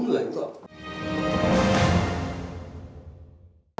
sẽ xử lý rõ